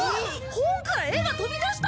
本から絵が飛び出した！